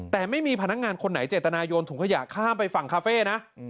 แต่ไม่มีพนักงานคนไหนเจตนาโยนถุงขยะข้ามไปฝั่งคาเฟ่นะ